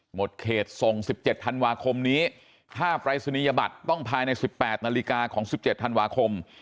หมดเขตส่ง๑๗ธันวาคมนี้ถ้าปรายศนียบัตรต้องภายใน๑๘นาฬิกาของ๑๗ธันวาคม